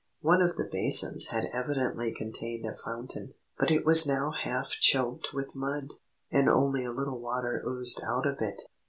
One of the basins had evidently contained a fountain, but it was now half choked with mud, and only a little water oozed out of it.